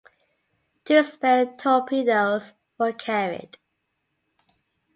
Two spare torpedoes were carried.